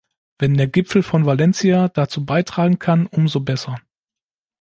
Wenn der Gipfel von Valencia dazu beitragen kann, umso besser.